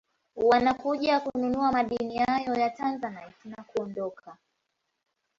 Wanakuja kununua madini hayo ya Tanzanite na kuondoka